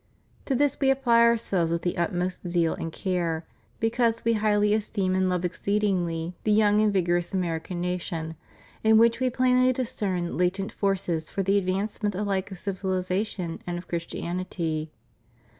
To this We apply Ourselves with the utmost zeal and care ; because We highly esteem and love exceedingly the young and vigorous American nation, in which We plainly discern latent forces for the advance ment ahke of civilization and of Christianity.